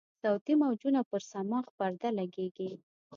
صوتي موجونه پر صماخ پرده لګیږي.